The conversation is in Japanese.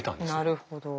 なるほど。